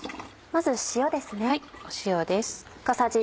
まず塩ですね。